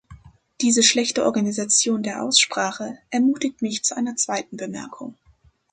Diese schlechte Organisation der Aussprache ermutigt mich zu einer zweiten Bemerkung.